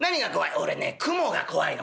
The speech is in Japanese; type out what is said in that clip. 「俺ね蜘蛛が怖いの。